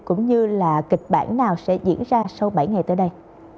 cũng như là kịch bản nào sẽ diễn ra sau bảy ngày tới đây